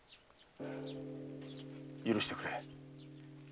許してくれ。